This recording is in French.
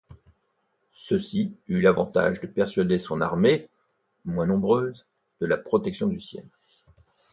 Ceci eut l'avantage de persuader son armée, moins nombreuse, de la protection du ciel.